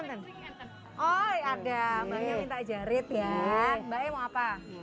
mbaknya minta carit ya mbaknya mau apa